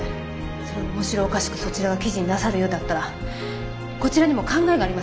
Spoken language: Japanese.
それを面白おかしくそちらが記事になさるようだったらこちらにも考えがあります。